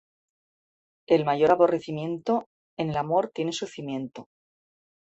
El mayor aborrecimiento, en el amor tiene su cimiento.